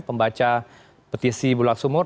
pembaca petisi bulan sumur